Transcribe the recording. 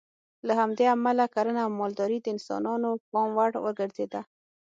له همدې امله کرنه او مالداري د انسانانو پام وړ وګرځېده.